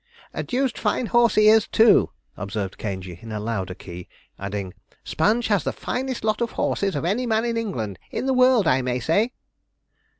'A deuced fine horse he is, too,' observed Caingey, in a louder key; adding, 'Sponge has the finest lot of horses of any man in England in the world, I may say.'